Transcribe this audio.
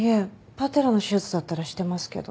パテラの手術だったらしてますけど。